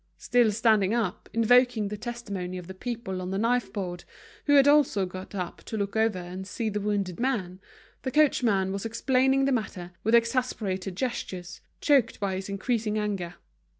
Still standing up, invoking the testimony of the people on the knife board, who had also got up, to look over and see the wounded man, the coachman was explaining the matter, with exasperated gestures, choked by his increasing anger.